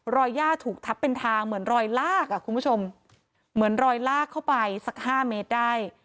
ย่าถูกทับเป็นทางเหมือนรอยลากอ่ะคุณผู้ชมเหมือนรอยลากเข้าไปสักห้าเมตรได้